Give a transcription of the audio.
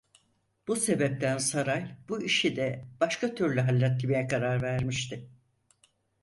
Bu sebepten Saray bu işi de başka türlü halletmeye karar vermişti.